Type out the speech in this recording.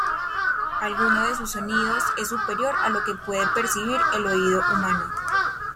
Alguno de sus sonidos es superior a lo que puede percibir el oído humano.